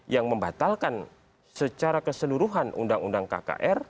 yang membatalkan secara keseluruhan undang undang kkr